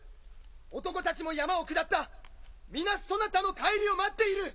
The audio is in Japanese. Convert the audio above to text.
男たちも山を下った皆そなたの帰りを待っている！